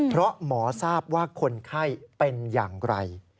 เพราะหมอทราบว่าคนไข้เป็นอย่างไร